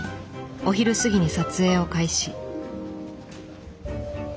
お昼過ぎに撮影を開始。